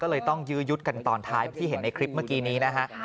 เป็นตอนท้ายที่เห็นในคลิปเมื่อกี้นี้นะฮะ